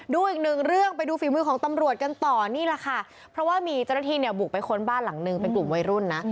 ดูอีกหนึ่งเรื่องไปดูฝีมือของตำรวจกันต่อนี่แหละค่ะเพราะว่ามีเจ้าหน้าที่เนี่ยบุกไปค้นบ้านหลังนึงเป็นกลุ่มวัยรุ่นนะ